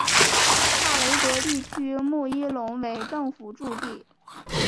帕雷德地区穆伊隆为政府驻地。